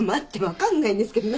分かんないんですけど。